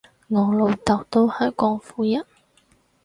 我老豆都係廣府人